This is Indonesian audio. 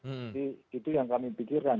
jadi itu yang kami pikirkan